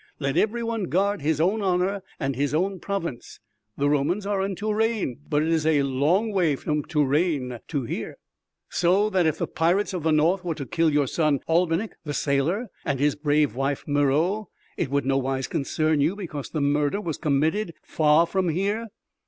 Let everyone guard his own honor and his own province. The Romans are in Touraine ... but it is a long way from Touraine to here." "So that if the pirates of the North were to kill your son Albinik the sailor and his brave wife Meroë, it would no wise concern you because the murder was committed far from here?"